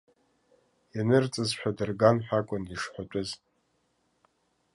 Ианырҵазшәа адырган ҳәа акәын ишҳәатәыз.